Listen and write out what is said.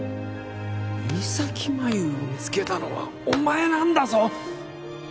三咲麻有を見つけたのはお前なんだぞ！